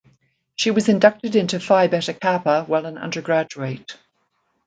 She was inducted into Phi Beta Kappa while an undergraduate.